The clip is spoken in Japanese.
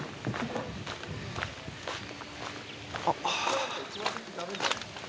あっ。